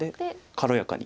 軽やかに。